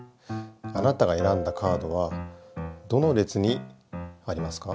あなたがえらんだカードはどの列にありますか？